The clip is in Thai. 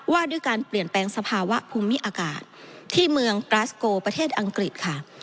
ว่าด้วยการเปลี่ยนแปลงสภาวะภูมิอากาศที่เมืองกราสโกประเทศอังกฤษค่ะ